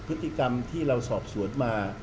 พฤติกรรมที่เราสอบสวนมา